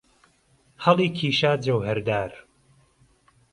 ههڵی کيشا جهوهەردار